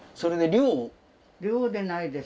寮でないです。